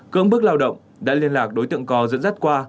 cưỡng bức lao động đã liên lạc đối tượng co dẫn dắt qua